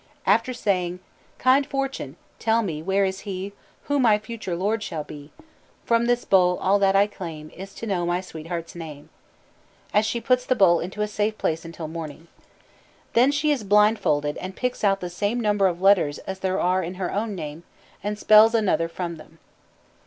After saying: "Kind fortune, tell me where is he Who my future lord shall be; From this bowl all that I claim Is to know my sweetheart's name." she puts the bowl into a safe place until morning. Then she is blindfolded and picks out the same number of letters as there are in her own name, and spells another from them.